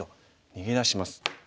逃げ出します。